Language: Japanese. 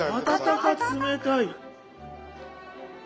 温か冷たい。